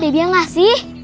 debbie yang ngasih